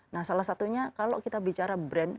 nah salah satunya kalau kita bicara brand